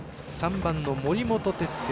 ３番の森本哲太。